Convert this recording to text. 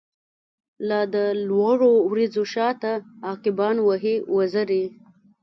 لادلوړو وریځو شاته، عقابان وهی وزری